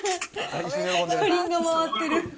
車輪が回ってる。